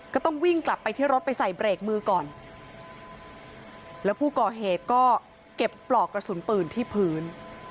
ก็ต้องวิ่งกลับไปที่รถไปใส่เบรกมือก่อนแล้วผู้ก่อเหตุก็เก็บปลอกกระสุนปืนที่พื้น